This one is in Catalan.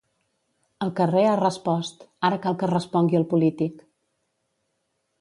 El carrer ha respost; ara cal que respongui el polític.